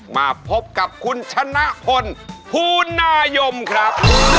มาพบกับคุณชนะพลภูนายมครับ